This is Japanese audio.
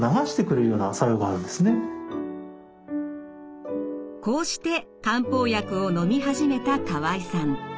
こうして漢方薬をのみ始めた河合さん。